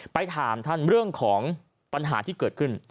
ไปถามท่านเรื่องของปัญหาที่เกิดขึ้น